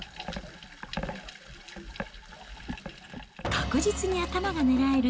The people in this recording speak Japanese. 確実に頭が狙える